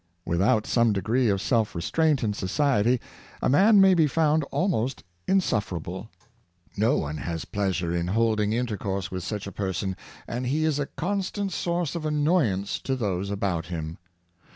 Without some degree of self restraint in society a man may be found almost insuffer able. No one has pleasure in holding intercourse witfi 528 Practical I^npoliteness, such a person, and he is a constant source of annoyance to those about him.